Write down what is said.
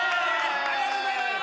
ありがとうございます！